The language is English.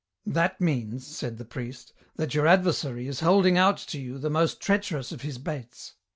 " That means," said the priest, " that your adversary is holding out to you the most treacherous of his baits.